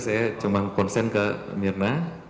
saya cuma konsen ke mirna